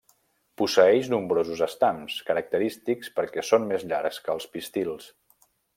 Posseeix nombrosos estams, característics perquè són més llargs que els pistils.